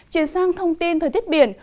chuyển sang thông tin thời tiết biển